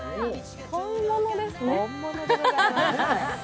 本物ですね。